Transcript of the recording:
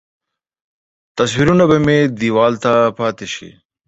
تصویرونه به مې دیوال ته پاتې شي.